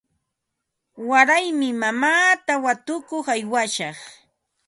Waraymi mamaata watukuq aywashaq.